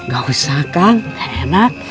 gak usah kang enak